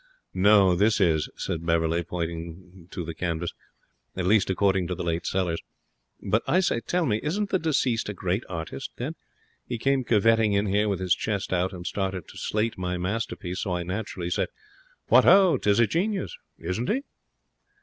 'No, this is,' said Beverley, pointing to the canvas. 'At least, according to the late Sellers. But, I say, tell me, isn't the deceased a great artist, then? He came curveting in here with his chest out and started to slate my masterpiece, so I naturally said, "What ho! 'Tis a genius!" Isn't he?'